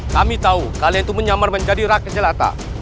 kami tahu kalian itu menyamar menjadi rakyat jelata